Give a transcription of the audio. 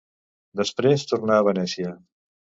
Després, tornà a Venècia.